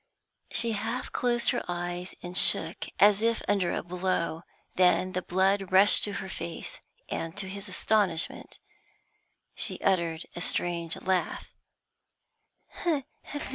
She half closed her eyes and shook, as if under a blow. Then the blood rushed to her face, and, to his astonishment, she uttered a strange laugh.